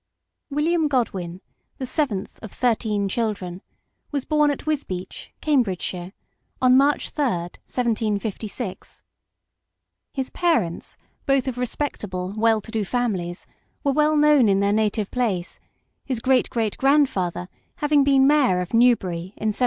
"William Godwin, the seventh of thirteen children, was born at Wisbeach, Cambridgeshire, on March 3, 1756. His parents, both of respectable well to do families, were well known in their native place, his great great grandfather having been Mayor of New bury in 1706.